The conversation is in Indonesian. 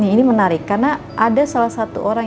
ini menarik karena ada salah satu orang